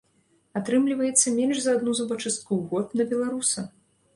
Атрымліваецца менш за адну зубачыстку ў год на беларуса!